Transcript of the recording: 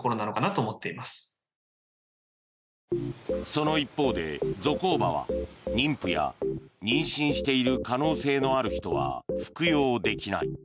その一方で、ゾコーバは妊婦や妊娠している可能性のある人は服用できない。